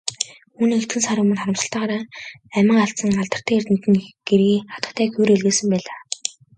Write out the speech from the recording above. Үүнийг хэдхэн сарын өмнө харамсалтайгаар амиа алдсан алдартай эрдэмтний гэргий хатагтай Кюре илгээсэн байлаа.